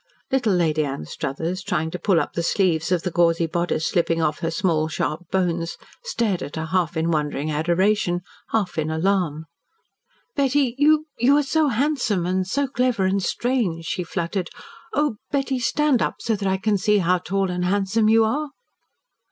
Little Lady Anstruthers, trying to pull up the sleeves of the gauzy bodice slipping off her small, sharp bones, stared at her half in wondering adoration, half in alarm. "Betty you you are so handsome and so clever and strange," she fluttered. "Oh, Betty, stand up so that I can see how tall and handsome you are!"